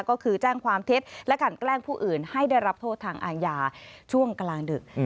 ก็คือแจ้งความเท็จและกันแกล้งผู้อื่นให้ได้รับโทษทางอาญาช่วงกลางดึก